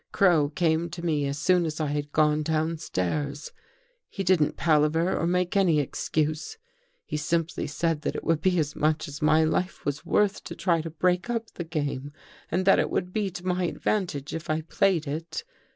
^ Crow came to me as soon as I had gone downstairs. He didn't pala ver or make any excuse. He simply said that it would be as much as my life was worth to try to break up the game and that it would be to my ad vantage, if I played it.